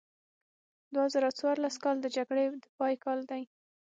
دوه زره څوارلس کال د جګړې د پای کال دی.